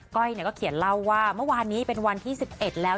้อยก็เขียนเล่าว่าเมื่อวานนี้เป็นวันที่๑๑แล้ว